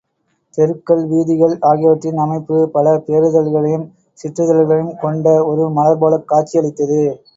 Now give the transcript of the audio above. தெருக்கள், வீதிகள் ஆகியவற்றின் அமைப்பு, பல பேரிதழ்களையும் சிற்றிதழ்களையும் கொண்ட ஒரு மலர்போலக் காட்சி அளித்தது.